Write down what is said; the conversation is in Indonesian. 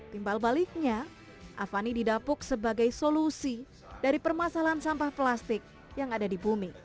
timbal baliknya avani didapuk sebagai solusi dari permasalahan sampah plastik yang ada di bumi